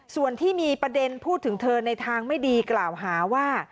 ส่วนที่มีประเด็นพูดถึงเธอในทางไม่ดีกล่าวหาว่า